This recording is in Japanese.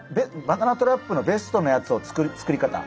バナナトラップのベストなやつの作り方。